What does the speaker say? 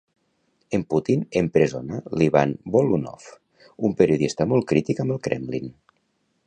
En Putin empresona l'Ivan Golunov, un periodista molt crític amb el Kremlin.